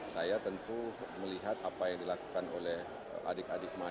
saya tentu melihat apa yang di lakukan oleh adik adik mahasiswa ini